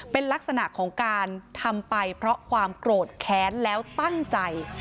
เป็นลักษณะของการทำไปเพราะความโกรธแค้นแล้วตั้งใจ